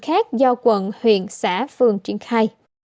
khác do quận huyện xã vườn triển khai